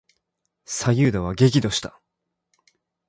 左右田は激怒した。